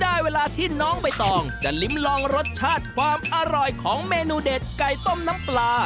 ได้เวลาที่น้องใบตองจะลิ้มลองรสชาติความอร่อยของเมนูเด็ดไก่ต้มน้ำปลา